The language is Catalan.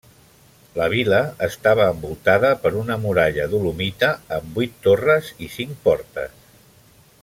La vila estava envoltada per una muralla dolomita amb vuit torres i cinc portes.